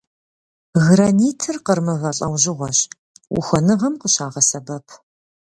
Гранитыр къыр мывэ лӏэужьыгъуэщ, ухуэныгъэм къыщагъэсэбэп.